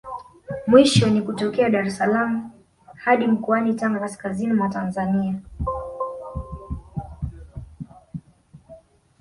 Mwisho ni kutokea Dar es salaam hadi mkoani Tanga kaskazini mwa Tanzania